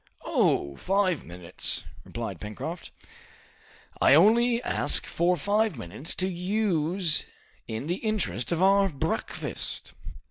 "Oh! five minutes!" replied Pencroft, "I only ask for five minutes to use in the interest of our breakfast!"